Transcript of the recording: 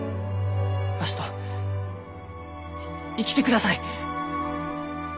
わしと生きてください！